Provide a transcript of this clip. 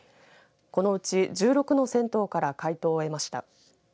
このうち１６の銭湯から回答を得ました。